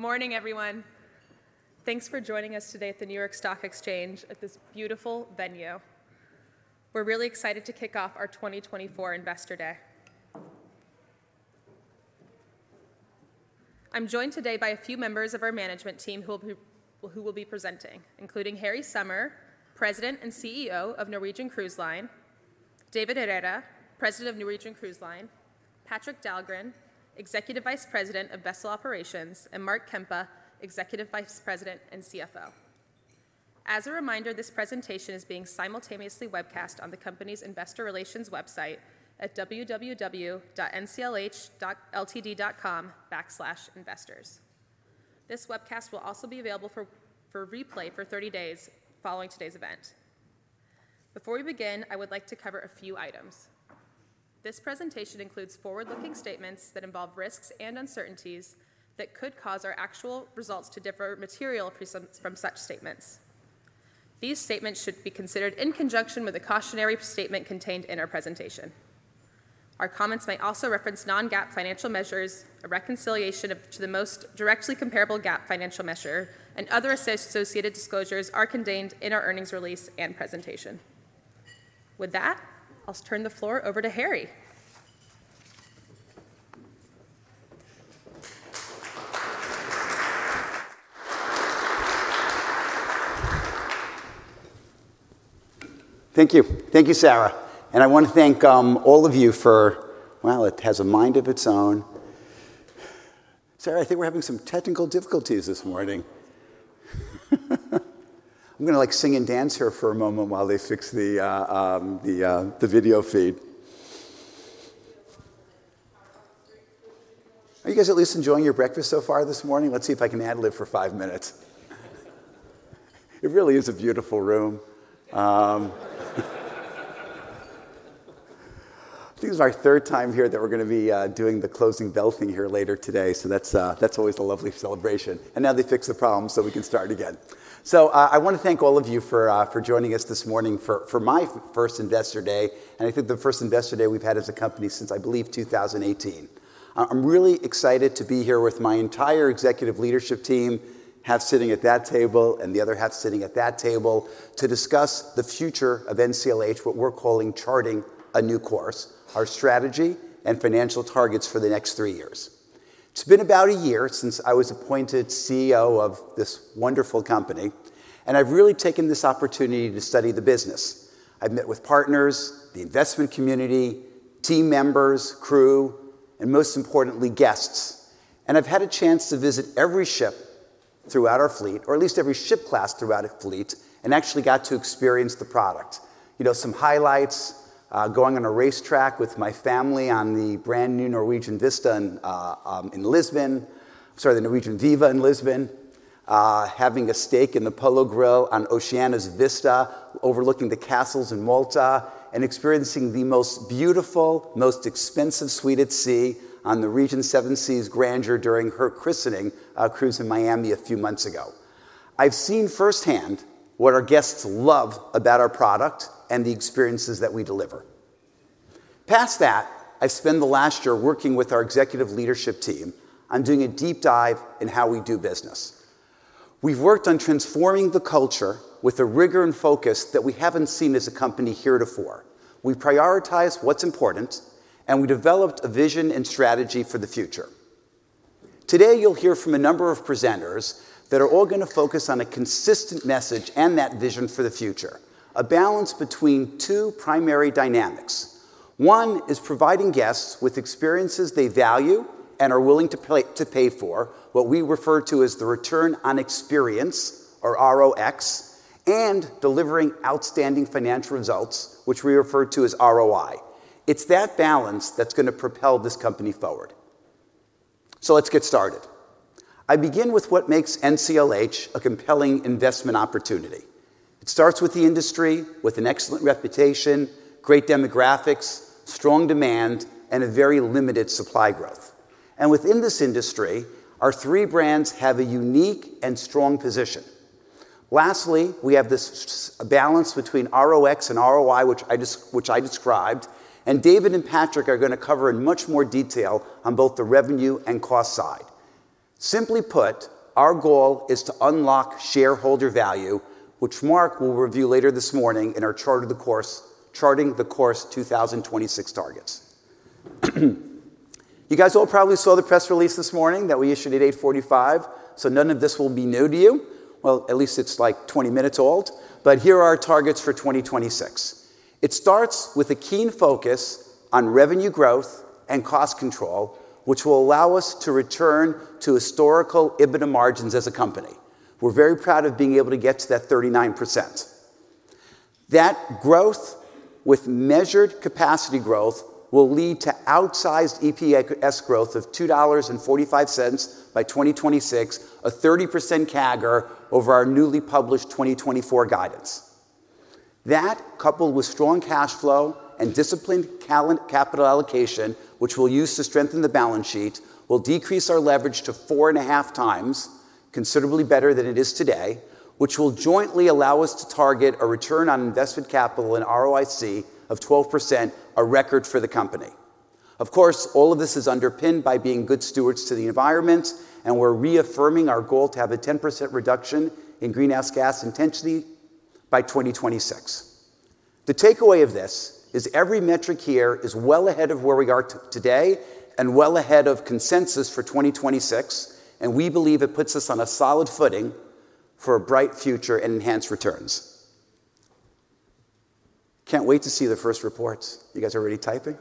Morning, everyone. Thanks for joining us today at the New York Stock Exchange at this beautiful venue. We're really excited to kick off our 2024 Investor Day. I'm joined today by a few members of our management team who will be presenting, including Harry Sommer, President and CEO of Norwegian Cruise Line; David Herrera, President of Norwegian Cruise Line; Patrik Dahlgren, Executive Vice President of Vessel Operations; and Mark Kempa, Executive Vice President and CFO. As a reminder, this presentation is being simultaneously webcast on the company's investor relations website at www.nclh.ltd.com/investors. This webcast will also be available for replay for 30 days following today's event. Before we begin, I would like to cover a few items. This presentation includes forward-looking statements that involve risks and uncertainties that could cause our actual results to differ materially from such statements. These statements should be considered in conjunction with the cautionary statement contained in our presentation. Our comments may also reference non-GAAP financial measures, a reconciliation of to the most directly comparable GAAP financial measure, and other associated disclosures are contained in our earnings release and presentation. With that, I'll turn the floor over to Harry. Thank you. Thank you, Sarah, and I want to thank all of you for... Well, it has a mind of its own. Sarah, I think we're having some technical difficulties this morning. I'm going to, like, sing and dance here for a moment while they fix the video feed. Are you guys at least enjoying your breakfast so far this morning? Let's see if I can ad-lib for five minutes. It really is a beautiful room. I think this is our third time here that we're going to be doing the closing bell thing here later today, so that's always a lovely celebration. And now they fixed the problem, so we can start again. So, I want to thank all of you for, for joining us this morning for, for my first Investor Day, and I think the first Investor Day we've had as a company since, I believe, 2018. I'm really excited to be here with my entire executive leadership team, half sitting at that table and the other half sitting at that table, to discuss the future of NCLH, what we're calling Charting the Course, our strategy and financial targets for the next three years. It's been about a year since I was appointed CEO of this wonderful company, and I've really taken this opportunity to study the business. I've met with partners, the investment community, team members, crew, and most importantly, guests, and I've had a chance to visit every ship throughout our fleet, or at least every ship class throughout our fleet, and actually got to experience the product. You know, some highlights: going on a racetrack with my family on the brand-new Norwegian Viva in Lisbon, sorry, the Norwegian Viva in Lisbon, having a steak in the Polo Grill on Oceania Vista, overlooking the castles in Malta, and experiencing the most beautiful, most expensive suite at sea on the Regent Seven Seas Grandeur during her christening cruise in Miami a few months ago. I've seen firsthand what our guests love about our product and the experiences that we deliver. Past that, I spent the last year working with our executive leadership team on doing a deep dive in how we do business. We've worked on transforming the culture with a rigor and focus that we haven't seen as a company heretofore. We've prioritized what's important, and we developed a vision and strategy for the future. Today, you'll hear from a number of presenters that are all going to focus on a consistent message and that vision for the future, a balance between two primary dynamics. One is providing guests with experiences they value and are willing to pay, to pay for, what we refer to as the return on experience, or ROX, and delivering outstanding financial results, which we refer to as ROI. It's that balance that's going to propel this company forward. So let's get started. I begin with what makes NCLH a compelling investment opportunity. It starts with the industry, with an excellent reputation, great demographics, strong demand, and a very limited supply growth. Within this industry, our three brands have a unique and strong position. Lastly, we have this balance between ROX and ROI, which I described, and David and Patrick are going to cover in much more detail on both the revenue and cost side. Simply put, our goal is to unlock shareholder value, which Mark will review later this morning in our Charting the Course 2026 targets. You guys all probably saw the press release this morning that we issued at 8:45 A.M., so none of this will be new to you. Well, at least it's, like, 20 minutes old, but here are our targets for 2026. It starts with a keen focus on revenue growth and cost control, which will allow us to return to historical EBITDA margins as a company. We're very proud of being able to get to that 39%. That growth, with measured capacity growth, will lead to outsized EPS growth of $2.45 by 2026, a 30% CAGR over our newly published 2024 guidance. That, coupled with strong cash flow and disciplined capital allocation, which we'll use to strengthen the balance sheet, will decrease our leverage to 4.5x, considerably better than it is today, which will jointly allow us to target a return on invested capital, an ROIC, of 12%, a record for the company. Of course, all of this is underpinned by being good stewards to the environment, and we're reaffirming our goal to have a 10% reduction in greenhouse gas intensity by 2026. The takeaway of this is every metric here is well ahead of where we are today, and well ahead of consensus for 2026, and we believe it puts us on a solid footing for a bright future and enhanced returns. Can't wait to see the first reports. You guys are already typing?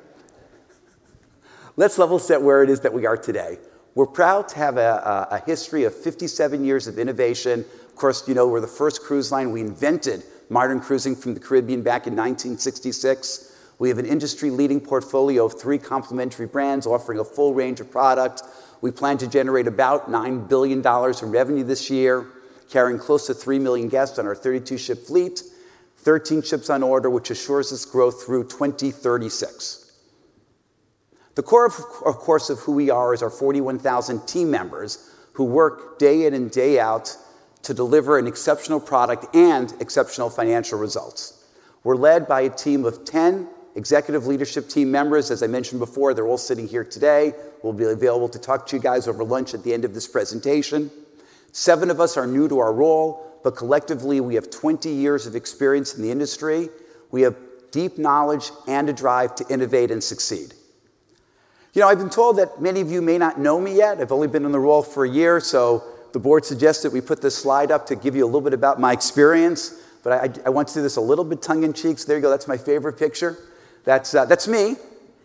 Let's level set where it is that we are today. We're proud to have a history of 57 years of innovation. Of course, you know, we're the first cruise line. We invented modern cruising from the Caribbean back in 1966. We have an industry-leading portfolio of three complementary brands, offering a full range of product. We plan to generate about $9 billion in revenue this year, carrying close to 3 million guests on our 32-ship fleet, 13 ships on order, which assures us growth through 2036. The core of, of course, of who we are is our 41,000 team members, who work day in and day out to deliver an exceptional product and exceptional financial results. We're led by a team of 10 executive leadership team members. As I mentioned before, they're all sitting here today. We'll be available to talk to you guys over lunch at the end of this presentation. Seven of us are new to our role, but collectively, we have 20 years of experience in the industry. We have deep knowledge and a drive to innovate and succeed. You know, I've been told that many of you may not know me yet. I've only been in the role for a year, so the board suggested we put this slide up to give you a little bit about my experience, but I want to do this a little bit tongue in cheeks. There you go, that's my favorite picture. That's me, a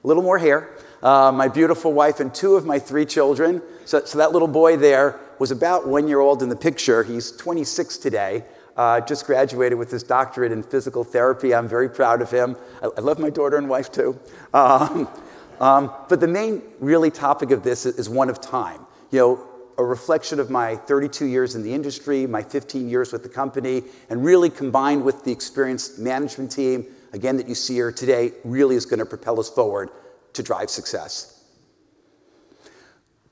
little more hair, my beautiful wife and two of my three children. So that little boy there was about 1 year old in the picture. He's 26 today, just graduated with his doctorate in physical therapy. I'm very proud of him. I love my daughter and wife, too. But the main really topic of this is one of time. You know, a reflection of my 32 years in the industry, my 15 years with the company, and really combined with the experienced management team, again, that you see here today, really is going to propel us forward to drive success.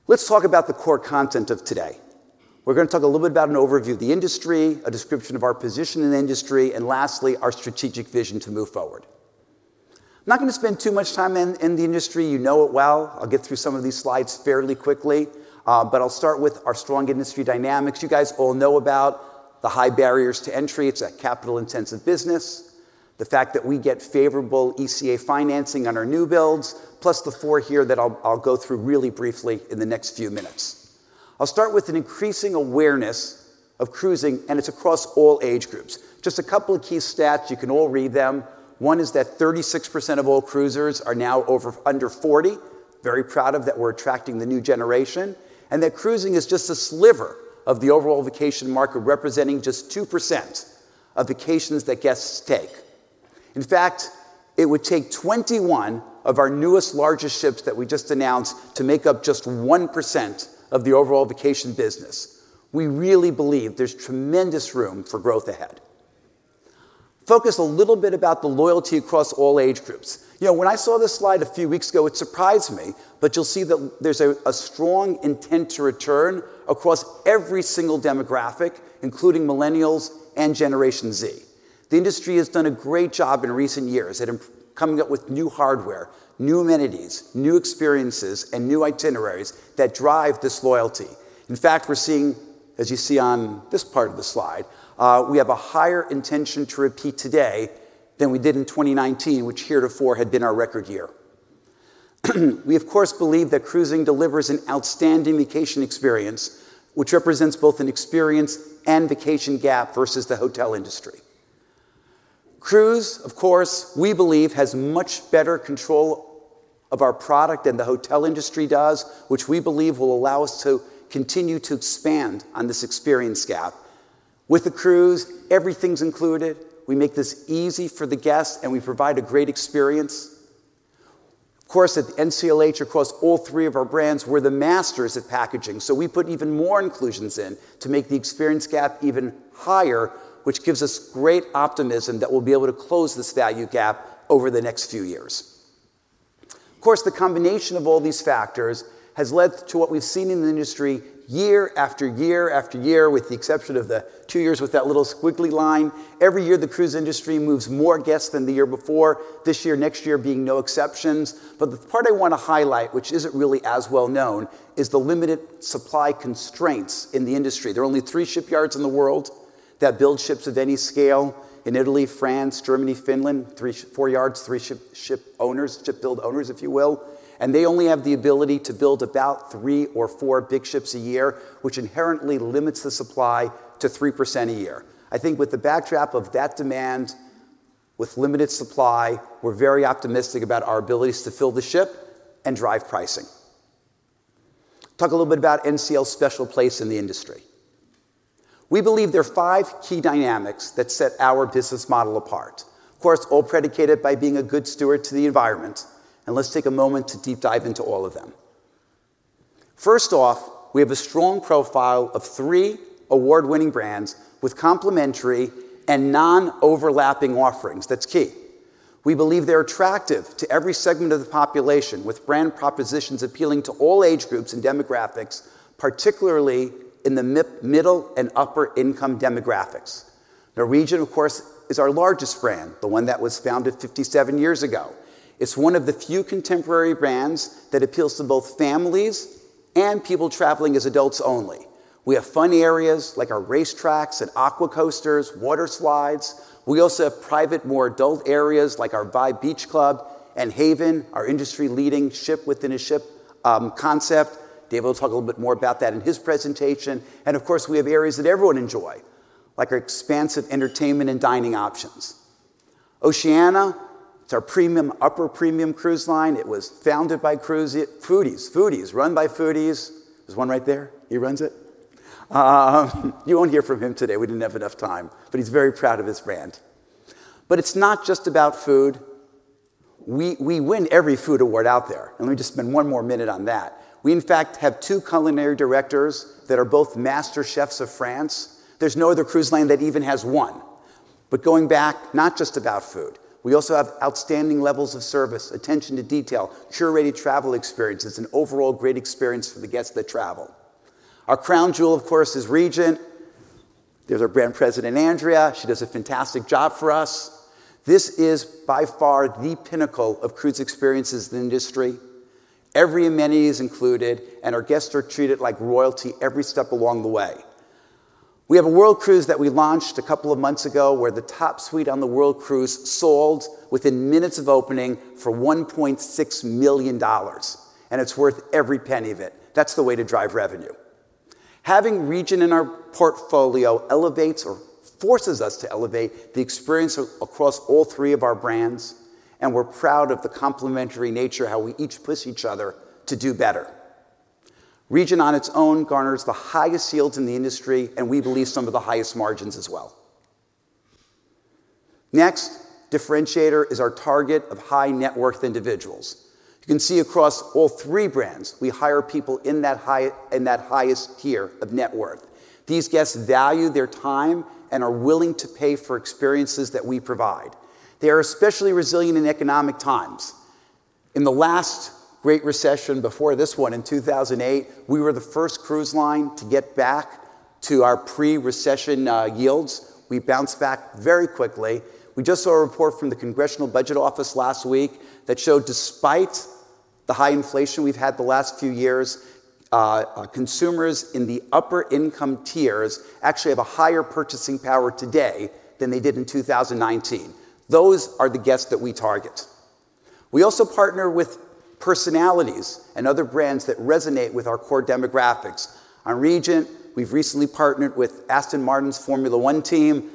Let's talk about the core content of today. We're going to talk a little bit about an overview of the industry, a description of our position in the industry, and lastly, our strategic vision to move forward. I'm not going to spend too much time in the industry. You know it well. I'll get through some of these slides fairly quickly, but I'll start with our strong industry dynamics. You guys all know about the high barriers to entry. It's a capital-intensive business. The fact that we get favorable ECA financing on our new builds, plus the four here that I'll go through really briefly in the next few minutes. I'll start with an increasing awareness of cruising, and it's across all age groups. Just a couple of key stats, you can all read them. One is that 36% of all cruisers are now under 40. Very proud of that we're attracting the new generation, and that cruising is just a sliver of the overall vacation market, representing just 2% of vacations that guests take. In fact, it would take 21 of our newest, largest ships that we just announced to make up just 1% of the overall vacation business. We really believe there's tremendous room for growth ahead. Focus a little bit about the loyalty across all age groups. You know, when I saw this slide a few weeks ago, it surprised me, but you'll see that there's a strong intent to return across every single demographic, including Millennials and Generation Z. The industry has done a great job in recent years at coming up with new hardware, new amenities, new experiences, and new itineraries that drive this loyalty. In fact, we're seeing, as you see on this part of the slide, we have a higher intention to repeat today than we did in 2019, which heretofore had been our record year. We, of course, believe that cruising delivers an outstanding vacation experience, which represents both an experience and vacation gap versus the hotel industry. Cruise, of course, we believe, has much better control of our product than the hotel industry does, which we believe will allow us to continue to expand on this experience gap. With the cruise, everything's included. We make this easy for the guests, and we provide a great experience. Of course, at NCLH, across all three of our brands, we're the masters at packaging, so we put even more inclusions in to make the experience gap even higher, which gives us great optimism that we'll be able to close this value gap over the next few years. Of course, the combination of all these factors has led to what we've seen in the industry year after year after year, with the exception of the two years with that little squiggly line. Every year, the cruise industry moves more guests than the year before, this year, next year being no exceptions. But the part I want to highlight, which isn't really as well known, is the limited supply constraints in the industry. There are only three shipyards in the world that build ships of any scale. In Italy, France, Germany, Finland, four yards, three shipowners, shipbuilders, if you will, and they only have the ability to build about three or four big ships a year, which inherently limits the supply to 3% a year. I think with the backdrop of that demand, with limited supply, we're very optimistic about our abilities to fill the ship and drive pricing. Talk a little bit about NCL's special place in the industry. We believe there are five key dynamics that set our business model apart. Of course, all predicated by being a good steward to the environment, and let's take a moment to deep dive into all of them. First off, we have a strong profile of three award-winning brands with complementary and non-overlapping offerings. That's key. We believe they're attractive to every segment of the population, with brand propositions appealing to all age groups and demographics, particularly in the middle and upper-income demographics.... Norwegian, of course, is our largest brand, the one that was founded 57 years ago. It's one of the few contemporary brands that appeals to both families and people traveling as adults only. We have fun areas, like our race tracks and aqua coasters, water slides. We also have private, more adult areas, like our Vibe Beach Club and Haven, our industry-leading ship-within-a-ship concept. David will talk a little bit more about that in his presentation, and of course, we have areas that everyone enjoy, like our expansive entertainment and dining options. Oceania, it's our premium, upper-premium cruise line. It was founded by cruise foodies, run by foodies. There's one right there, he runs it. You won't hear from him today, we didn't have enough time, but he's very proud of his brand. But it's not just about food. We win every food award out there, and let me just spend one more minute on that. We, in fact, have two culinary directors that are both master chefs of France. There's no other cruise line that even has one. But going back, not just about food. We also have outstanding levels of service, attention to detail, curated travel experiences, and overall great experience for the guests that travel. Our crown jewel, of course, is Regent. There's our brand president, Andrea. She does a fantastic job for us. This is by far the pinnacle of cruise experiences in the industry. Every amenity is included, and our guests are treated like royalty every step along the way. We have a world cruise that we launched a couple of months ago, where the top suite on the world cruise sold within minutes of opening for $1.6 million, and it's worth every penny of it. That's the way to drive revenue. Having Regent in our portfolio elevates or forces us to elevate the experience across all three of our brands, and we're proud of the complementary nature, how we each push each other to do better. Regent on its own garners the highest yields in the industry, and we believe some of the highest margins as well. Next differentiator is our target of high-net-worth individuals. You can see across all three brands, we hire people in that highest tier of net worth. These guests value their time and are willing to pay for experiences that we provide. They are especially resilient in economic times. In the last great recession before this one, in 2008, we were the first cruise line to get back to our pre-recession yields. We bounced back very quickly. We just saw a report from the Congressional Budget Office last week that showed despite the high inflation we've had the last few years, consumers in the upper income tiers actually have a higher purchasing power today than they did in 2019. Those are the guests that we target. We also partner with personalities and other brands that resonate with our core demographics. On Regent, we've recently partnered with Aston Martin's Formula One team.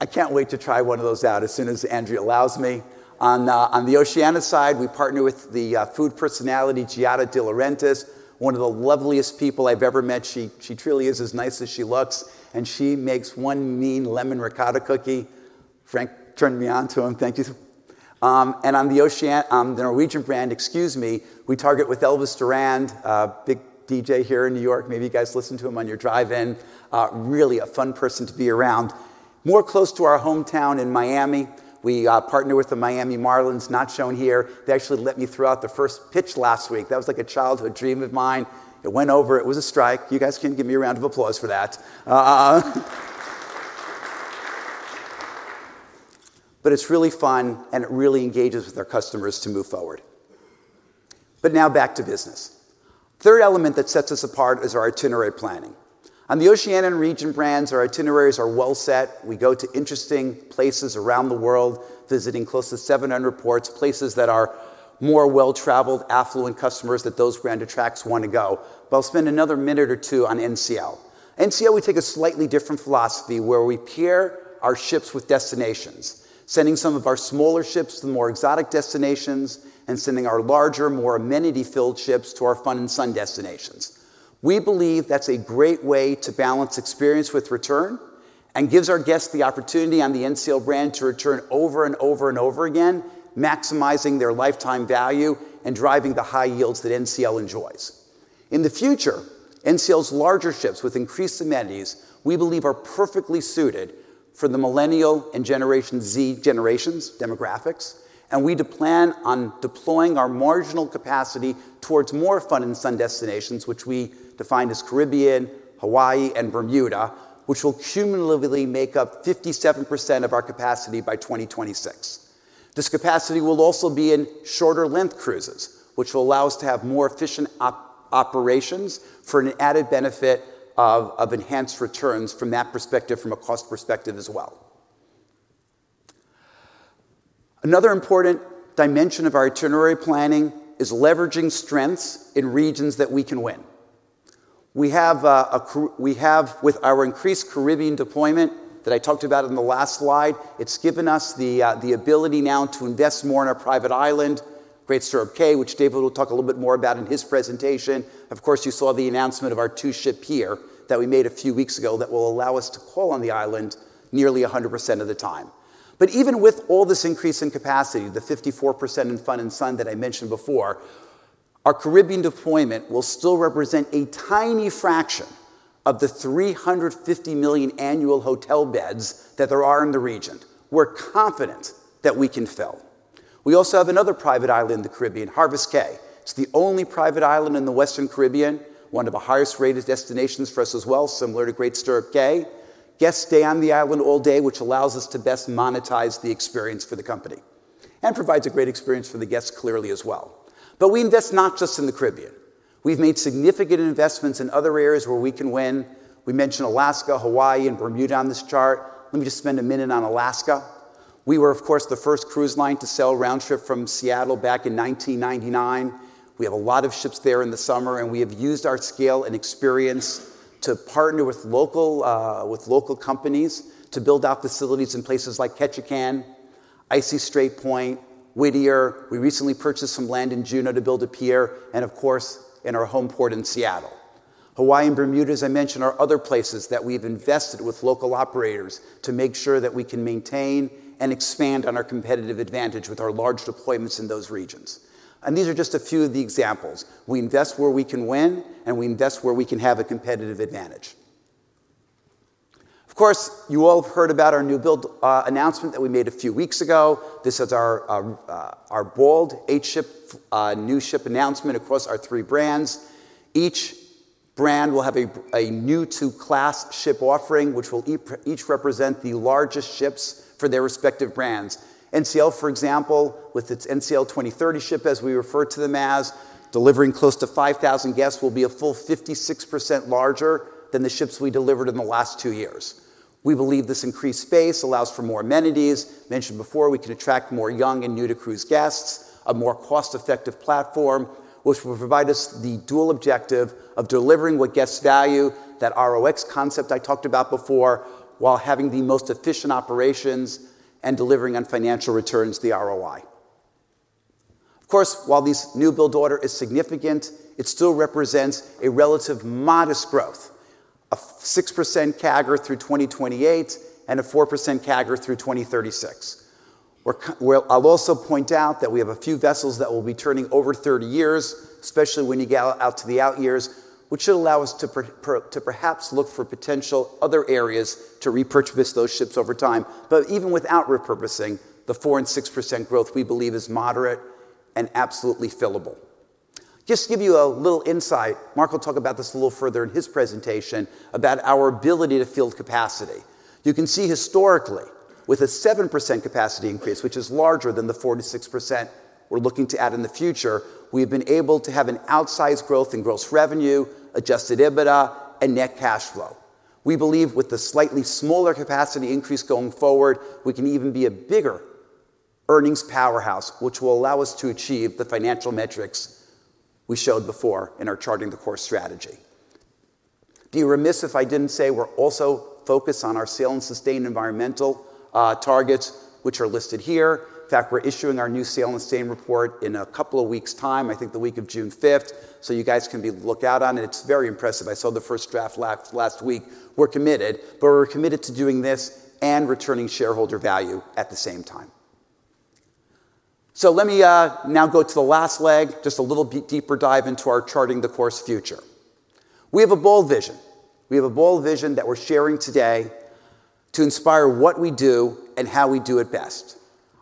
I can't wait to try one of those out as soon as Andrea allows me. On the Oceania side, we partner with the food personality, Giada De Laurentiis, one of the loveliest people I've ever met. She truly is as nice as she looks, and she makes one mean lemon ricotta cookie. Frank turned me on to them. Thank you. And on the Norwegian brand, excuse me, we target with Elvis Duran, big DJ here in New York. Maybe you guys listen to him on your drive in. Really a fun person to be around. More close to our hometown in Miami, we partner with the Miami Marlins, not shown here. They actually let me throw out the first pitch last week. That was like a childhood dream of mine. It went over, it was a strike. You guys can give me a round of applause for that. But it's really fun, and it really engages with our customers to move forward. But now back to business. Third element that sets us apart is our itinerary planning. On the Oceania and Regent brands, our itineraries are well set. We go to interesting places around the world, visiting close to 700 ports, places that are more well-traveled, affluent customers that those brand attracts want to go. But I'll spend another minute or two on NCL. NCL, we take a slightly different philosophy, where we pair our ships with destinations, sending some of our smaller ships to the more exotic destinations, and sending our larger, more amenity-filled ships to our fun-in-the-sun destinations. We believe that's a great way to balance experience with return, and gives our guests the opportunity on the NCL brand to return over and over and over again, maximizing their lifetime value and driving the high yields that NCL enjoys. In the future, NCL's larger ships with increased amenities, we believe are perfectly suited for the Millennial and Generation Z generations, demographics, and we plan on deploying our marginal capacity towards more fun-in-the-sun destinations, which we define as Caribbean, Hawaii, and Bermuda, which will cumulatively make up 57% of our capacity by 2026. This capacity will also be in shorter-length cruises, which will allow us to have more efficient operations, for an added benefit of enhanced returns from that perspective, from a cost perspective as well. Another important dimension of our itinerary planning is leveraging strengths in regions that we can win. We have with our increased Caribbean deployment that I talked about in the last slide, it's given us the ability now to invest more in our private island, Great Stirrup Cay, which David will talk a little bit more about in his presentation. Of course, you saw the announcement of our two-ship pier that we made a few weeks ago that will allow us to call on the island nearly 100% of the time. But even with all this increase in capacity, the 54% in fun and sun that I mentioned before, our Caribbean deployment will still represent a tiny fraction of the 350 million annual hotel beds that there are in the region. We're confident that we can fill.... We also have another private island in the Caribbean, Harvest Caye. It's the only private island in the Western Caribbean, one of the highest-rated destinations for us as well, similar to Great Stirrup Cay. Guests stay on the island all day, which allows us to best monetize the experience for the company, and provides a great experience for the guests clearly as well. But we invest not just in the Caribbean. We've made significant investments in other areas where we can win. We mentioned Alaska, Hawaii, and Bermuda on this chart. Let me just spend a minute on Alaska. We were, of course, the first cruise line to sell round trip from Seattle back in 1999. We have a lot of ships there in the summer, and we have used our scale and experience to partner with local, with local companies to build out facilities in places like Ketchikan, Icy Strait Point, Whittier. We recently purchased some land in Juneau to build a pier, and of course, in our home port in Seattle. Hawaii and Bermuda, as I mentioned, are other places that we've invested with local operators to make sure that we can maintain and expand on our competitive advantage with our large deployments in those regions. And these are just a few of the examples. We invest where we can win, and we invest where we can have a competitive advantage. Of course, you all have heard about our new build announcement that we made a few weeks ago. This is our bold 8-ship new ship announcement across our three brands. Each brand will have a new 2-class ship offering, which will each represent the largest ships for their respective brands. NCL, for example, with its NCL 2030 ship, as we refer to them as, delivering close to 5,000 guests, will be a full 56% larger than the ships we delivered in the last two years. We believe this increased space allows for more amenities. Mentioned before, we can attract more young and new-to-cruise guests, a more cost-effective platform, which will provide us the dual objective of delivering what guests value, that ROX concept I talked about before, while having the most efficient operations and delivering on financial returns, the ROI. Of course, while this new build order is significant, it still represents a relative modest growth, a 6% CAGR through 2028, and a 4% CAGR through 2036. Well, I'll also point out that we have a few vessels that will be turning over 30 years, especially when you get out to the out years, which should allow us to perhaps look for potential other areas to repurpose those ships over time. But even without repurposing, the 4%-6% growth, we believe, is moderate and absolutely fillable. Just to give you a little insight, Mark will talk about this a little further in his presentation, about our ability to fill capacity. You can see historically, with a 7% capacity increase, which is larger than the 4%-6% we're looking to add in the future, we have been able to have an outsized growth in gross revenue, Adjusted EBITDA, and net cash flow. We believe with the slightly smaller capacity increase going forward, we can even be a bigger earnings powerhouse, which will allow us to achieve the financial metrics we showed before in our Charting the Course strategy. I would be remiss if I didn't say we're also focused on our Sail and Sustain environmental targets, which are listed here. In fact, we're issuing our new Sail and Sustain report in a couple of weeks' time, I think the week of June fifth, so you guys can look out on it. It's very impressive. I saw the first draft last week. We're committed, but we're committed to doing this and returning shareholder value at the same time. So let me now go to the last leg, just a little bit deeper dive into our Charting the Course future. We have a bold vision. We have a bold vision that we're sharing today to inspire what we do and how we do it best.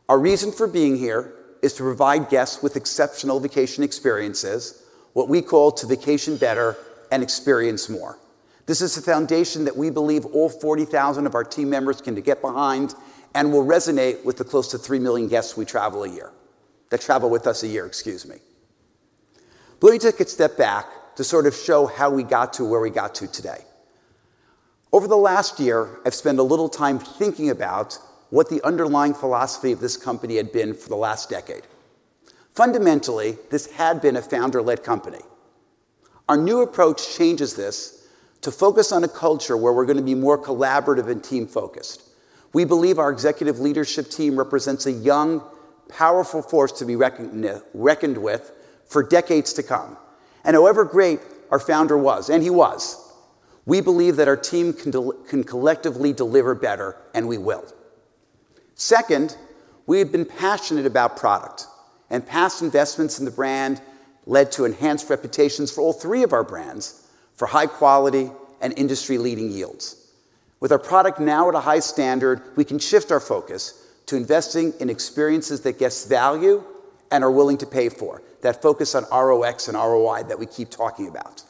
Our reason for being here is to provide guests with exceptional vacation experiences, what we call to vacation better and experience more. This is the foundation that we believe all 40,000 of our team members can get behind and will resonate with the close to 3,000,000 guests we travel a year, that travel with us a year, excuse me. Let me take a step back to sort of show how we got to where we got to today. Over the last year, I've spent a little time thinking about what the underlying philosophy of this company had been for the last decade. Fundamentally, this had been a founder-led company. Our new approach changes this to focus on a culture where we're going to be more collaborative and team-focused. We believe our executive leadership team represents a young, powerful force to be reckoned with for decades to come. And however great our founder was, and he was, we believe that our team can collectively deliver better, and we will. Second, we have been passionate about product, and past investments in the brand led to enhanced reputations for all three of our brands for high quality and industry-leading yields. With our product now at a high standard, we can shift our focus to investing in experiences that guests value and are willing to pay for, that focus on ROX and ROI that we keep talking about.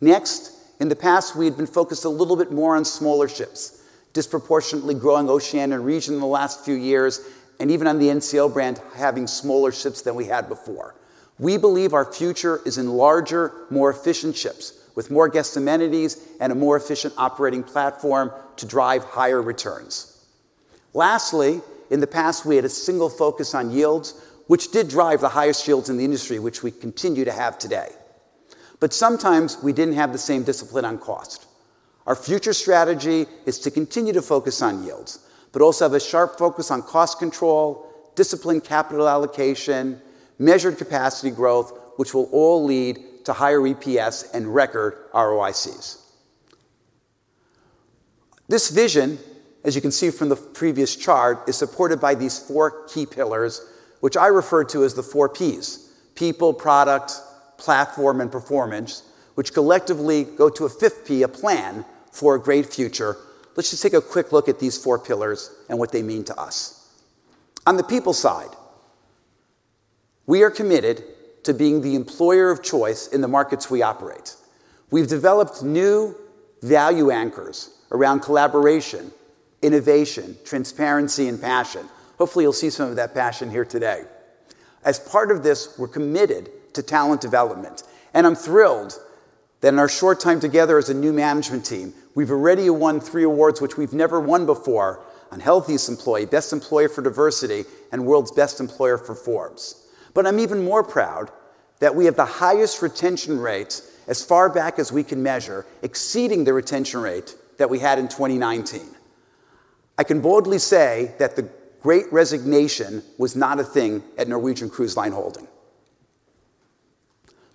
Next, in the past, we've been focused a little bit more on smaller ships, disproportionately growing Oceania region in the last few years, and even on the NCL brand, having smaller ships than we had before. We believe our future is in larger, more efficient ships, with more guest amenities and a more efficient operating platform to drive higher returns. Lastly, in the past, we had a single focus on yields, which did drive the highest yields in the industry, which we continue to have today. But sometimes we didn't have the same discipline on cost. Our future strategy is to continue to focus on yields, but also have a sharp focus on cost control, disciplined capital allocation, measured capacity growth, which will all lead to higher EPS and record ROICs. This vision, as you can see from the previous chart, is supported by these four key pillars, which I refer to as the four Ps: people, product, platform, and performance, which collectively go to a fifth P, a plan for a great future. Let's just take a quick look at these four pillars and what they mean to us. On the people side, we are committed to being the employer of choice in the markets we operate. We've developed new value anchors around collaboration, innovation, transparency, and passion. Hopefully, you'll see some of that passion here today. As part of this, we're committed to talent development, and I'm thrilled that in our short time together as a new management team, we've already won three awards, which we've never won before, on Healthiest Employer, Best Employer for Diversity, and World's Best Employer for Forbes. But I'm even more proud that we have the highest retention rate as far back as we can measure, exceeding the retention rate that we had in 2019. I can boldly say that the Great Resignation was not a thing at Norwegian Cruise Line Holdings.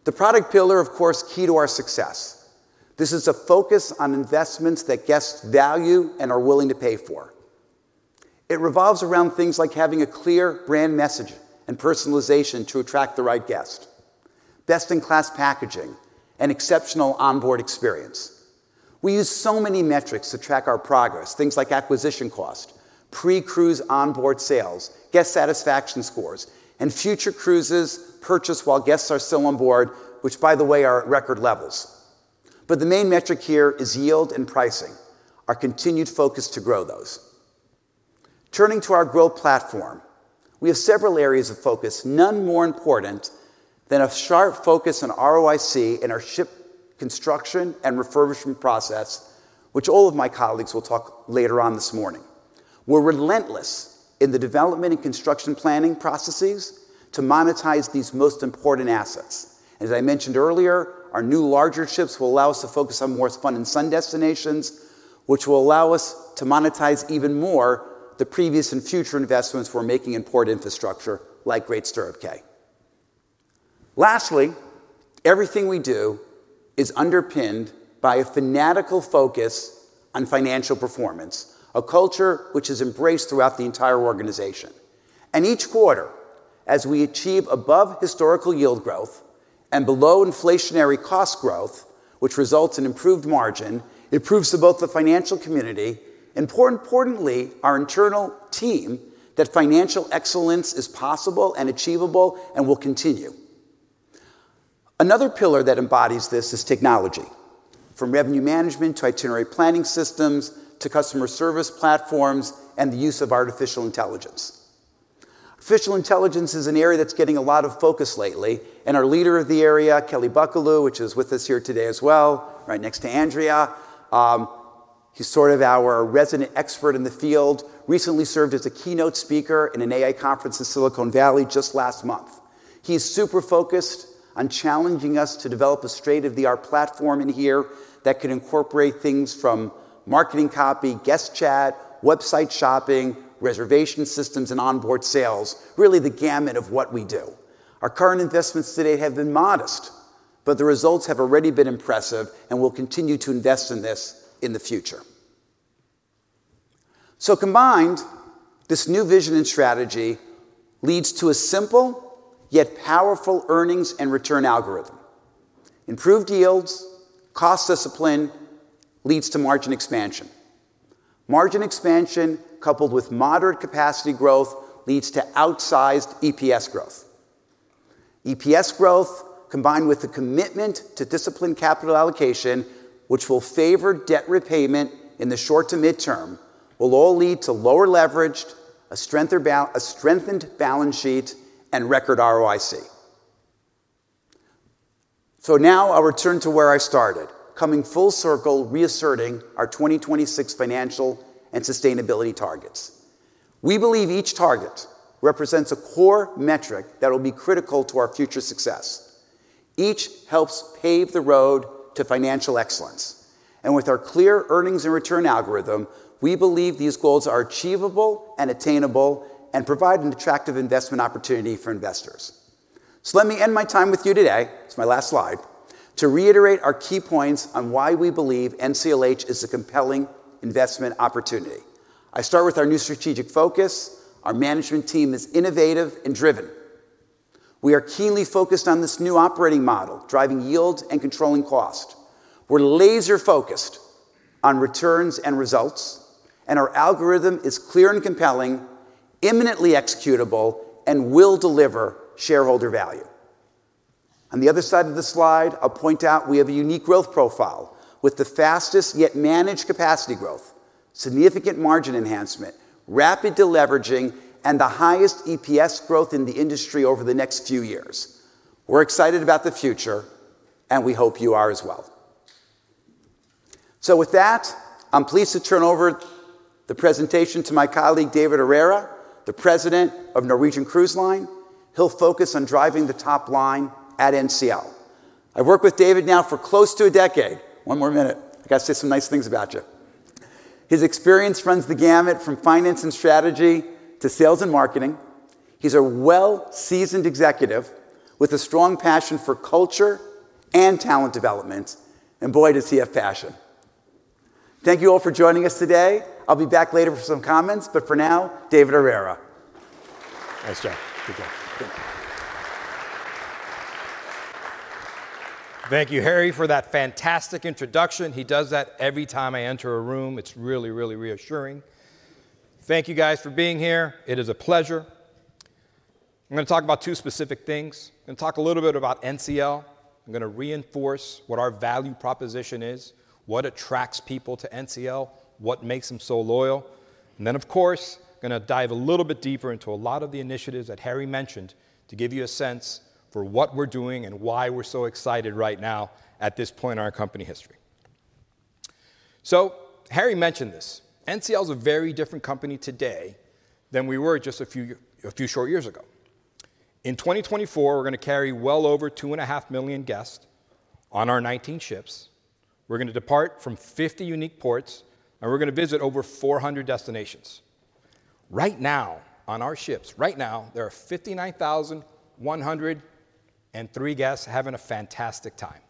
The product pillar, of course, key to our success. This is a focus on investments that guests value and are willing to pay for. It revolves around things like having a clear brand message and personalization to attract the right guest, best-in-class packaging, and exceptional onboard experience. We use so many metrics to track our progress, things like acquisition cost, pre-cruise onboard sales, guest satisfaction scores, and future cruises purchased while guests are still on board, which, by the way, are at record levels. But the main metric here is yield and pricing, our continued focus to grow those. Turning to our growth platform, we have several areas of focus, none more important than a sharp focus on ROIC in our ship construction and refurbishment process, which all of my colleagues will talk later on this morning. We're relentless in the development and construction planning processes to monetize these most important assets. As I mentioned earlier, our new larger ships will allow us to focus on more fun and sun destinations, which will allow us to monetize even more the previous and future investments we're making in port infrastructure like Great Stirrup Cay. Lastly, everything we do is underpinned by a fanatical focus on financial performance, a culture which is embraced throughout the entire organization. Each quarter, as we achieve above historical yield growth and below inflationary cost growth, which results in improved margin, it proves to both the financial community and more importantly, our internal team, that financial excellence is possible and achievable and will continue. Another pillar that embodies this is technology, from revenue management, to itinerary planning systems, to customer service platforms, and the use of artificial intelligence. Artificial intelligence is an area that's getting a lot of focus lately, and our leader of the area, Kelly Buckelew, which is with us here today as well, right next to Andrea, he's sort of our resident expert in the field, recently served as a keynote speaker in an AI conference in Silicon Valley just last month. He's super focused on challenging us to develop a state-of-the-art platform in here that can incorporate things from marketing copy, guest chat, website shopping, reservation systems, and onboard sales. Really, the gamut of what we do. Our current investments today have been modest, but the results have already been impressive and will continue to invest in this in the future. So combined, this new vision and strategy leads to a simple yet powerful earnings and return algorithm. Improved yields, cost discipline, leads to margin expansion. Margin expansion, coupled with moderate capacity growth, leads to outsized EPS growth. EPS growth, combined with the commitment to disciplined capital allocation, which will favor debt repayment in the short to midterm, will all lead to lower leverage, a stronger balance sheet, and record ROIC. So now I'll return to where I started, coming full circle, reasserting our 2026 financial and sustainability targets. We believe each target represents a core metric that will be critical to our future success. Each helps pave the road to financial excellence, and with our clear earnings and return algorithm, we believe these goals are achievable and attainable and provide an attractive investment opportunity for investors. So let me end my time with you today, it's my last slide, to reiterate our key points on why we believe NCLH is a compelling investment opportunity. I start with our new strategic focus. Our management team is innovative and driven. We are keenly focused on this new operating model, driving yield and controlling cost. We're laser-focused on returns and results, and our algorithm is clear and compelling, imminently executable, and will deliver shareholder value. On the other side of the slide, I'll point out we have a unique growth profile with the fastest yet managed capacity growth, significant margin enhancement, rapid deleveraging, and the highest EPS growth in the industry over the next few years. We're excited about the future, and we hope you are as well. So with that, I'm pleased to turn over the presentation to my colleague, David Herrera, the President of Norwegian Cruise Line. He'll focus on driving the top line at NCL. I've worked with David now for close to a decade. One more minute. I got to say some nice things about you. His experience runs the gamut from finance and strategy to sales and marketing. He's a well-seasoned executive with a strong passion for culture and talent development, and boy, does he have passion?... Thank you all for joining us today. I'll be back later for some comments, but for now, David Herrera. Thanks, Jeff. Good job. Thank you, Harry, for that fantastic introduction. He does that every time I enter a room. It's really, really reassuring. Thank you, guys, for being here. It is a pleasure. I'm gonna talk about two specific things. I'm gonna talk a little bit about NCL. I'm gonna reinforce what our value proposition is, what attracts people to NCL, what makes them so loyal, and then, of course, I'm gonna dive a little bit deeper into a lot of the initiatives that Harry mentioned to give you a sense for what we're doing and why we're so excited right now at this point in our company history. So Harry mentioned this, NCL is a very different company today than we were just a few short years ago. In 2024, we're gonna carry well over 2.5 million guests on our 19 ships. We're gonna depart from 50 unique ports, and we're gonna visit over 400 destinations. Right now, on our ships, right now, there are 59,103 guests having a fantastic time,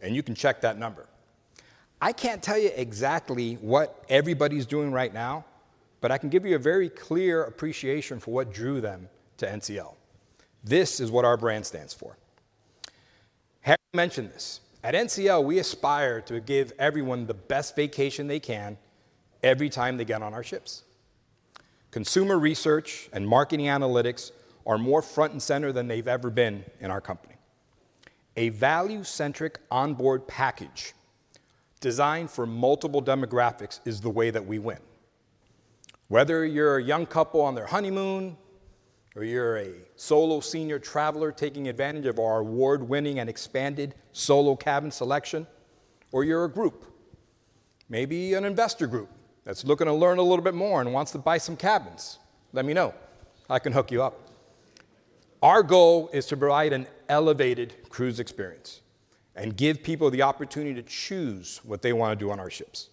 and you can check that number. I can't tell you exactly what everybody's doing right now, but I can give you a very clear appreciation for what drew them to NCL. This is what our brand stands for. Harry mentioned this. At NCL, we aspire to give everyone the best vacation they can every time they get on our ships. Consumer research and marketing analytics are more front and center than they've ever been in our company. A value-centric onboard package designed for multiple demographics is the way that we win. Whether you're a young couple on their honeymoon, or you're a solo senior traveler taking advantage of our award-winning and expanded solo cabin selection, or you're a group, maybe an investor group that's looking to learn a little bit more and wants to buy some cabins, let me know. I can hook you up. Our goal is to provide an elevated cruise experience and give people the opportunity to choose what they want to do on our ships.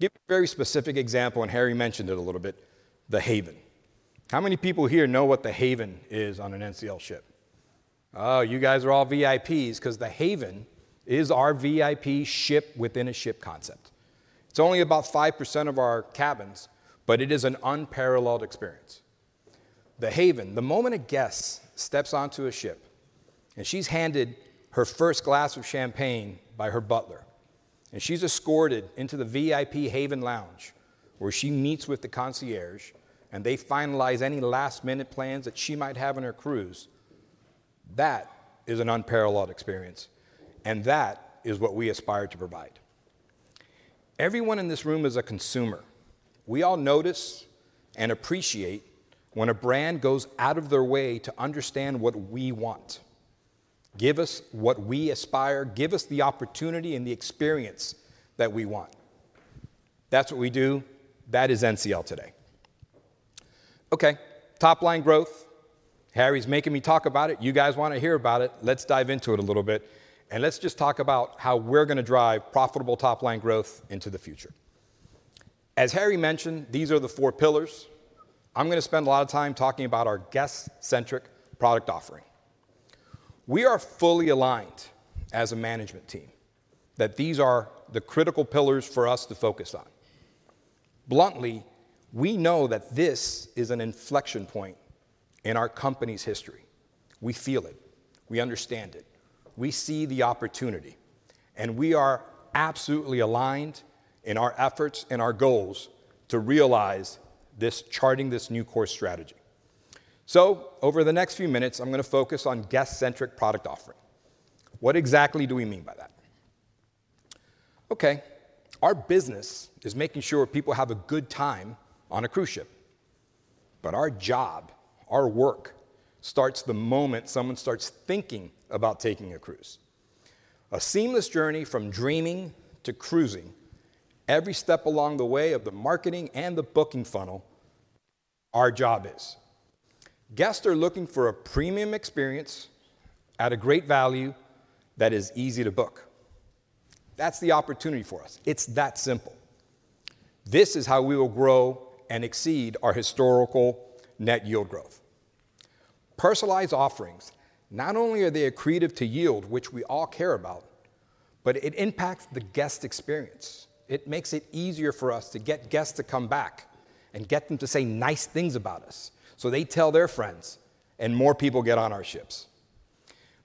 Give a very specific example, and Harry mentioned it a little bit, The Haven. How many people here know what The Haven is on an NCL ship? Oh, you guys are all VIPs because The Haven is our VIP ship-within-a-ship concept. It's only about 5% of our cabins, but it is an unparalleled experience. The Haven, the moment a guest steps onto a ship, and she's handed her first glass of champagne by her butler, and she's escorted into the VIP Haven Lounge, where she meets with the concierge, and they finalize any last-minute plans that she might have on her cruise, that is an unparalleled experience, and that is what we aspire to provide. Everyone in this room is a consumer. We all notice and appreciate when a brand goes out of their way to understand what we want. Give us what we aspire, give us the opportunity and the experience that we want. That's what we do. That is NCL today. Okay, top-line growth. Harry's making me talk about it. You guys want to hear about it. Let's dive into it a little bit, and let's just talk about how we're gonna drive profitable top-line growth into the future. As Harry mentioned, these are the four pillars. I'm gonna spend a lot of time talking about our guest-centric product offering. We are fully aligned as a management team that these are the critical pillars for us to focus on. Bluntly, we know that this is an inflection point in our company's history. We feel it, we understand it, we see the opportunity, and we are absolutely aligned in our efforts and our goals to realize this... charting this new course strategy. So over the next few minutes, I'm gonna focus on guest-centric product offering. What exactly do we mean by that? Okay, our business is making sure people have a good time on a cruise ship, but our job, our work, starts the moment someone starts thinking about taking a cruise. A seamless journey from dreaming to cruising, every step along the way of the marketing and the booking funnel, our job is. Guests are looking for a premium experience at a great value that is easy to book. That's the opportunity for us. It's that simple. This is how we will grow and exceed our historical net yield growth. Personalized offerings, not only are they accretive to yield, which we all care about, but it impacts the guest experience. It makes it easier for us to get guests to come back and get them to say nice things about us, so they tell their friends, and more people get on our ships.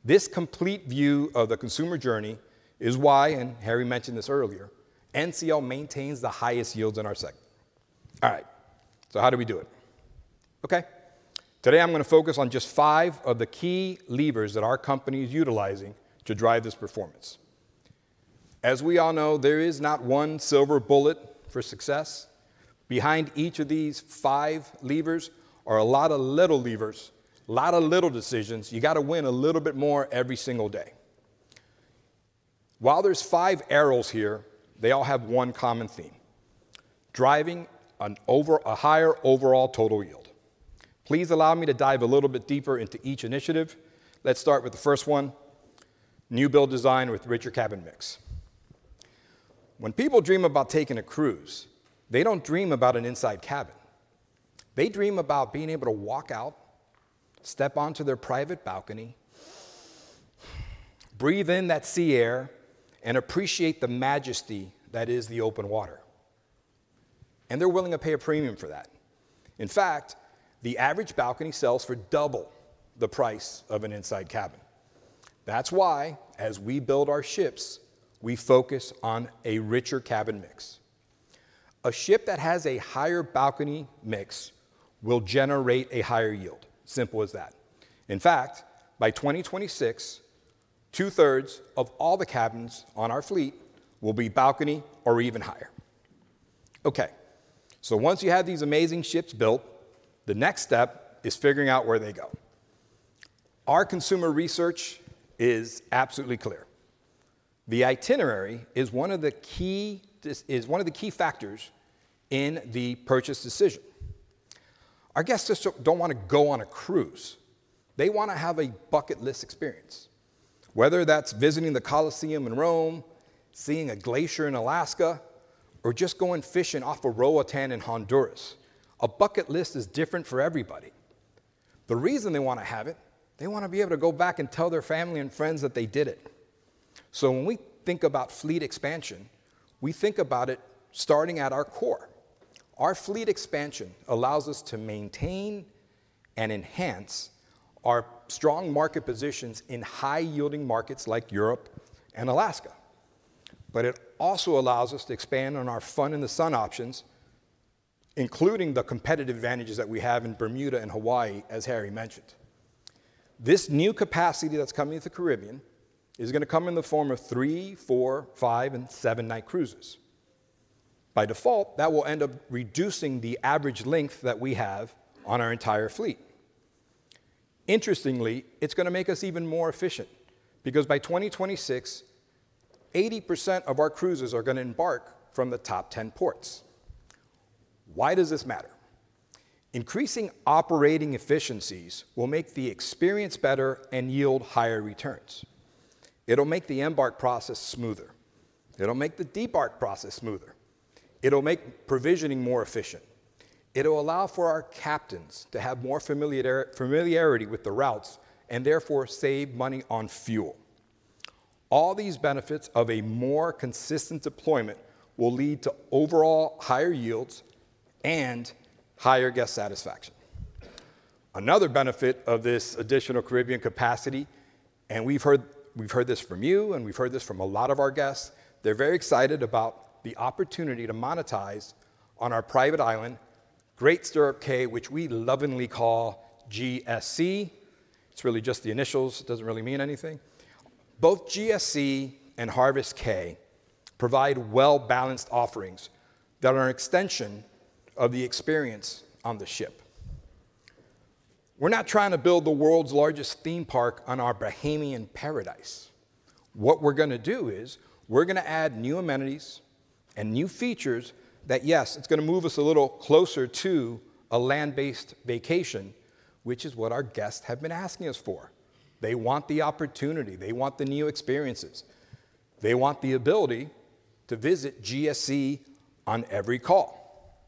This complete view of the consumer journey is why, and Harry mentioned this earlier, NCL maintains the highest yields in our sector. All right, so how do we do it? Okay, today I'm gonna focus on just five of the key levers that our company is utilizing to drive this performance. As we all know, there is not one silver bullet for success. Behind each of these five levers are a lot of little levers, a lot of little decisions. You got to win a little bit more every single day. While there's five arrows here, they all have one common theme, driving a higher overall total yield. Please allow me to dive a little bit deeper into each initiative. Let's start with the first one, new build design with richer cabin mix. When people dream about taking a cruise, they don't dream about an inside cabin.... They dream about being able to walk out, step onto their private balcony, breathe in that sea air, and appreciate the majesty that is the open water, and they're willing to pay a premium for that. In fact, the average balcony sells for double the price of an inside cabin. That's why, as we build our ships, we focus on a richer cabin mix. A ship that has a higher balcony mix will generate a higher yield, simple as that. In fact, by 2026, two-thirds of all the cabins on our fleet will be balcony or even higher. Okay, so once you have these amazing ships built, the next step is figuring out where they go. Our consumer research is absolutely clear: the itinerary is one of the key factors in the purchase decision. Our guests just don't want to go on a cruise. They want to have a bucket list experience, whether that's visiting the Colosseum in Rome, seeing a glacier in Alaska, or just going fishing off of Roatán in Honduras. A bucket list is different for everybody. The reason they want to have it, they want to be able to go back and tell their family and friends that they did it. So when we think about fleet expansion, we think about it starting at our core. Our fleet expansion allows us to maintain and enhance our strong market positions in high-yielding markets like Europe and Alaska, but it also allows us to expand on our fun in the sun options, including the competitive advantages that we have in Bermuda and Hawaii, as Harry mentioned. This new capacity that's coming to the Caribbean is going to come in the form of 3-, 4-, 5-, and 7-night cruises. By default, that will end up reducing the average length that we have on our entire fleet. Interestingly, it's going to make us even more efficient, because by 2026, 80% of our cruises are going to embark from the top 10 ports. Why does this matter? Increasing operating efficiencies will make the experience better and yield higher returns. It'll make the embark process smoother. It'll make the debark process smoother. It'll make provisioning more efficient. It'll allow for our captains to have more familiarity with the routes and therefore save money on fuel. All these benefits of a more consistent deployment will lead to overall higher yields and higher guest satisfaction. Another benefit of this additional Caribbean capacity, and we've heard, we've heard this from you, and we've heard this from a lot of our guests, they're very excited about the opportunity to monetize on our private island, Great Stirrup Cay, which we lovingly call GSC. It's really just the initials. It doesn't really mean anything. Both GSC and Harvest Caye provide well-balanced offerings that are an extension of the experience on the ship. We're not trying to build the world's largest theme park on our Bahamian paradise. What we're going to do is, we're going to add new amenities and new features that, yes, it's going to move us a little closer to a land-based vacation, which is what our guests have been asking us for. They want the opportunity. They want the new experiences. They want the ability to visit GSC on every call.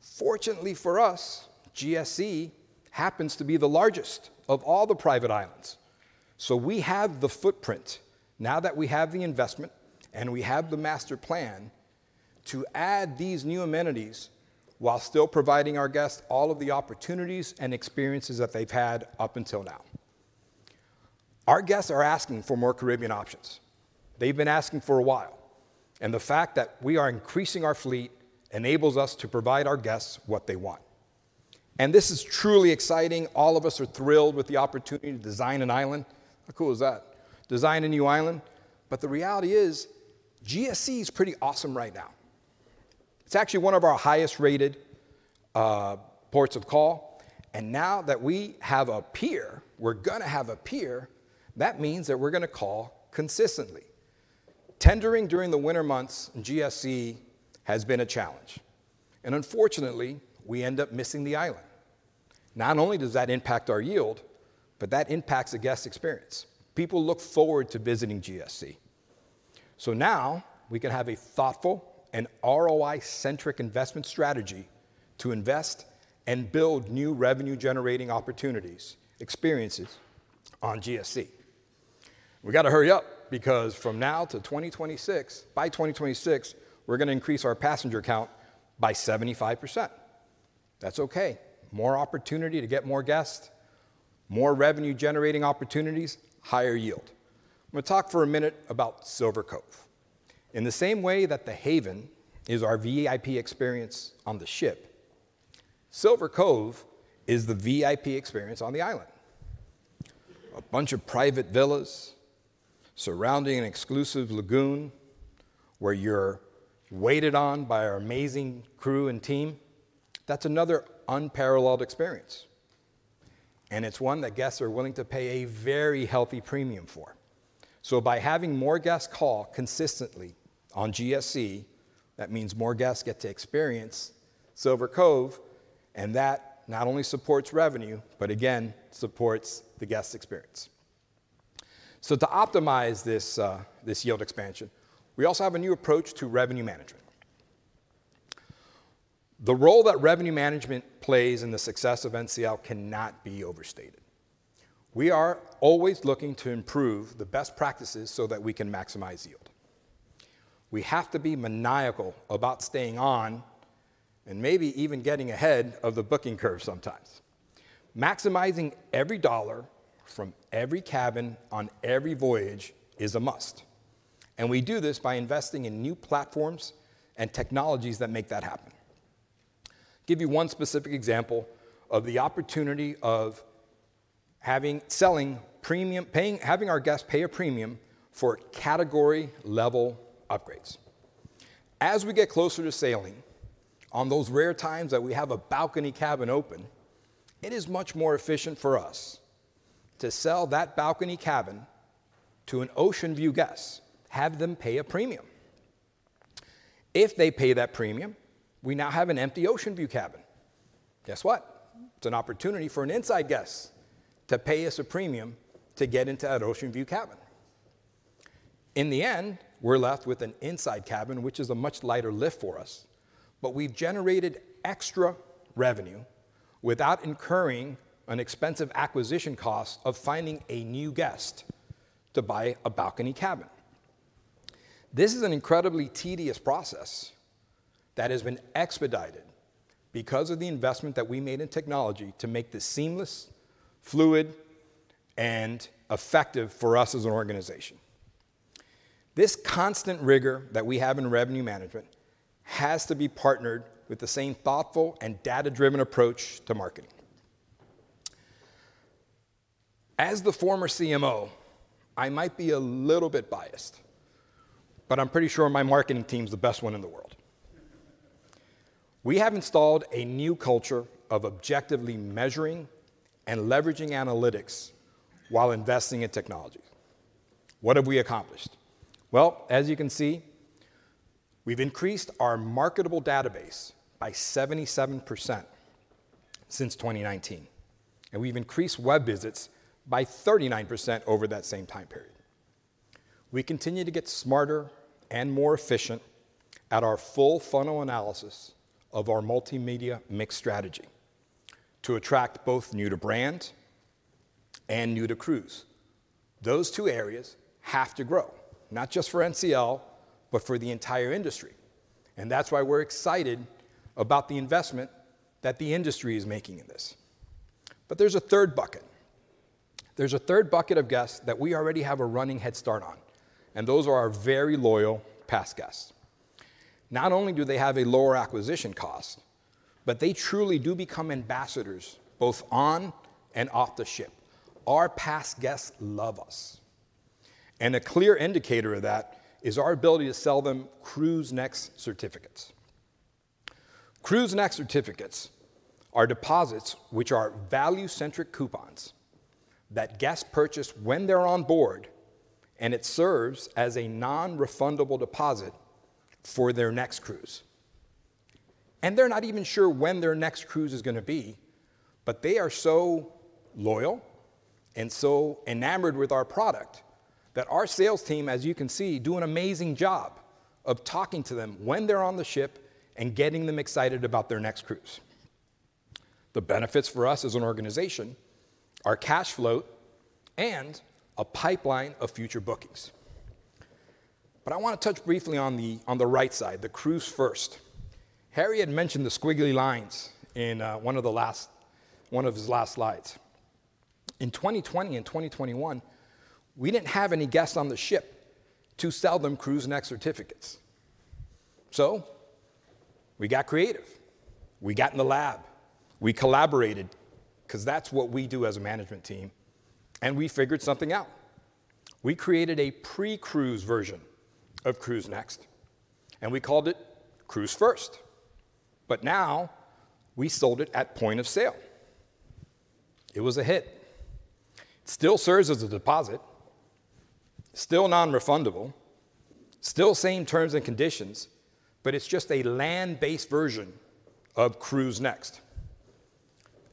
Fortunately for us, GSC happens to be the largest of all the private islands, so we have the footprint, now that we have the investment and we have the master plan, to add these new amenities while still providing our guests all of the opportunities and experiences that they've had up until now. Our guests are asking for more Caribbean options. They've been asking for a while, and the fact that we are increasing our fleet enables us to provide our guests what they want. And this is truly exciting. All of us are thrilled with the opportunity to design an island. How cool is that? Design a new island. But the reality is, GSC is pretty awesome right now. It's actually one of our highest-rated ports of call, and now that we have a pier, we're going to have a pier, that means that we're going to call consistently. Tendering during the winter months in GSC has been a challenge, and unfortunately, we end up missing the island. Not only does that impact our yield, but that impacts the guest experience. People look forward to visiting GSC. So now we can have a thoughtful and ROI-centric investment strategy to invest and build new revenue-generating opportunities, experiences on GSC. We got to hurry up, because from now to 2026, by 2026, we're going to increase our passenger count by 75%. That's okay. More opportunity to get more guests, more revenue-generating opportunities, higher yield. I'm going to talk for a minute about Silver Cove. In the same way that The Haven is our VIP experience on the ship, Silver Cove is the VIP experience on the island. A bunch of private villas surrounding an exclusive lagoon where you're waited on by our amazing crew and team, that's another unparalleled experience, and it's one that guests are willing to pay a very healthy premium for. So by having more guests call consistently on GSC, that means more guests get to experience Silver Cove, and that not only supports revenue, but again, supports the guest experience. So to optimize this, this yield expansion, we also have a new approach to revenue management. The role that revenue management plays in the success of NCL cannot be overstated. We are always looking to improve the best practices so that we can maximize yield. We have to be maniacal about staying on, and maybe even getting ahead of the booking curve sometimes. Maximizing every dollar from every cabin on every voyage is a must, and we do this by investing in new platforms and technologies that make that happen. Give you one specific example of the opportunity of having, selling premium, paying, having our guests pay a premium for category-level upgrades. As we get closer to sailing, on those rare times that we have a balcony cabin open, it is much more efficient for us to sell that balcony cabin to an oceanview guest, have them pay a premium. If they pay that premium, we now have an empty oceanview cabin. Guess what? It's an opportunity for an inside guest to pay us a premium to get into that oceanview cabin. In the end, we're left with an inside cabin, which is a much lighter lift for us, but we've generated extra revenue without incurring an expensive acquisition cost of finding a new guest to buy a balcony cabin. This is an incredibly tedious process that has been expedited because of the investment that we made in technology to make this seamless, fluid, and effective for us as an organization. This constant rigor that we have in revenue management has to be partnered with the same thoughtful and data-driven approach to marketing. As the former CMO, I might be a little bit biased, but I'm pretty sure my marketing team's the best one in the world. We have installed a new culture of objectively measuring and leveraging analytics while investing in technology. What have we accomplished? Well, as you can see, we've increased our marketable database by 77% since 2019, and we've increased web visits by 39% over that same time period. We continue to get smarter and more efficient at our full funnel analysis of our multimedia mix strategy to attract both new to brand and new to cruise. Those two areas have to grow, not just for NCL, but for the entire industry, and that's why we're excited about the investment that the industry is making in this. But there's a third bucket. There's a third bucket of guests that we already have a running head start on, and those are our very loyal past guests. Not only do they have a lower acquisition cost, but they truly do become ambassadors, both on and off the ship. Our past guests love us, and a clear indicator of that is our ability to sell them CruiseNext certificates. CruiseNext certificates are deposits which are value-centric coupons that guests purchase when they're on board, and it serves as a non-refundable deposit for their next cruise. They're not even sure when their next cruise is going to be, but they are so loyal and so enamored with our product, that our sales team, as you can see, do an amazing job of talking to them when they're on the ship and getting them excited about their next cruise. The benefits for us as an organization are cash flow and a pipeline of future bookings. I want to touch briefly on the right side, the CruiseFirst. Harry had mentioned the squiggly lines in one of the last, one of his last slides. In 2020 and 2021, we didn't have any guests on the ship to sell them CruiseNext certificates, so we got creative. We got in the lab, we collaborated, 'cause that's what we do as a management team, and we figured something out. We created a pre-cruise version of CruiseNext, and we called it CruiseFirst, but now we sold it at point of sale. It was a hit. Still serves as a deposit, still non-refundable, still same terms and conditions, but it's just a land-based version of CruiseNext.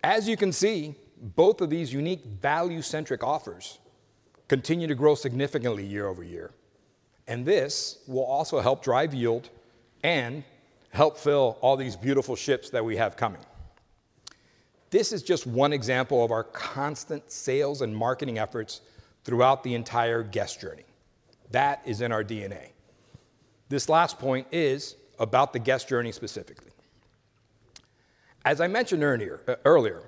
As you can see, both of these unique value-centric offers continue to grow significantly year-over-year, and this will also help drive yield and help fill all these beautiful ships that we have coming. This is just one example of our constant sales and marketing efforts throughout the entire guest journey. That is in our DNA. This last point is about the guest journey specifically. As I mentioned earlier,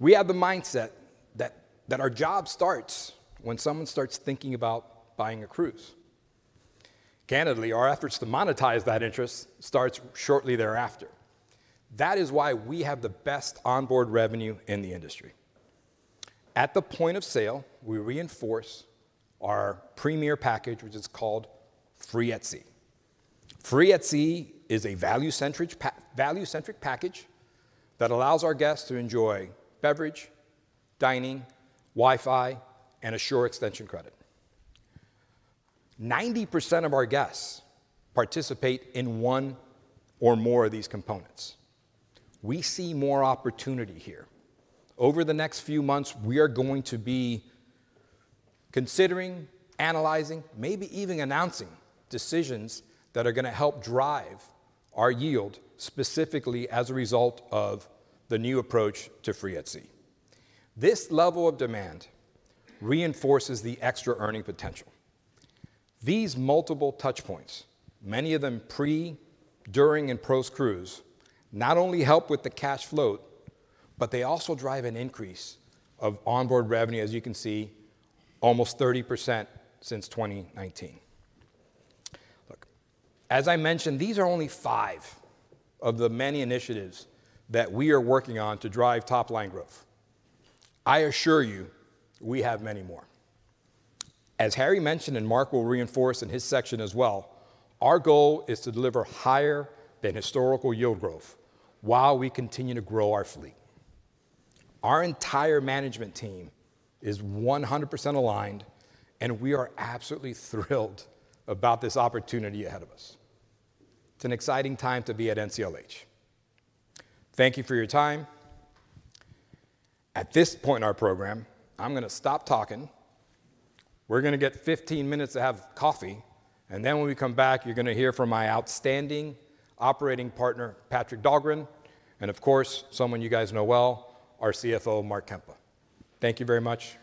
we have the mindset that our job starts when someone starts thinking about buying a cruise. Candidly, our efforts to monetize that interest starts shortly thereafter. That is why we have the best onboard revenue in the industry. At the point of sale, we reinforce our premier package, which is called Free at Sea. Free at Sea is a value-centric package that allows our guests to enjoy beverage, dining, Wi-Fi, and a shore extension credit. 90% of our guests participate in one or more of these components. We see more opportunity here. Over the next few months, we are going to be considering, analyzing, maybe even announcing decisions that are going to help drive our yield, specifically as a result of the new approach to Free at Sea. This level of demand reinforces the extra earning potential. These multiple touch points, many of them pre, during, and post-cruise, not only help with the cash flow, but they also drive an increase of onboard revenue, as you can see, almost 30% since 2019. Look, as I mentioned, these are only five of the many initiatives that we are working on to drive top-line growth. I assure you, we have many more. As Harry mentioned, and Mark will reinforce in his section as well, our goal is to deliver higher than historical yield growth while we continue to grow our fleet. Our entire management team is 100% aligned, and we are absolutely thrilled about this opportunity ahead of us. It's an exciting time to be at NCLH. Thank you for your time. At this point in our program, I'm going to stop talking. We're going to get 15 minutes to have coffee, and then when we come back, you're going to hear from my outstanding operating partner, Patrik Dahlgren, and of course, someone you guys know well, our CFO, Mark Kempa. Thank you very much.